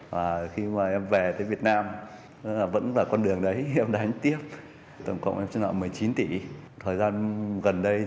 và khi mà em về tới việt nam vẫn là con đường đấy em đánh tiếp tổng cộng em trả nợ một mươi chín tỷ